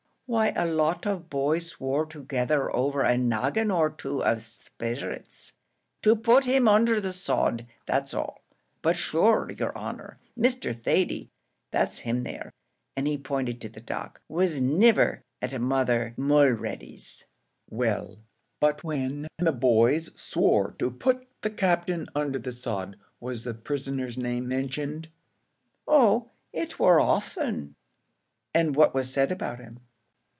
"Why a lot of boys swore together over a noggin or two of sperrits, to put him undher the sod that's all; but shure, yer honour, Mr. Thady, that's him there," and he pointed to the dock, "was niver at Mother Mulready's." "Well, but when the boys swore to put the Captain under the sod was the prisoner's name mentioned?" "Oh, it war ofthen." "And what was said about him?"